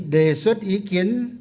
đề xuất ý kiến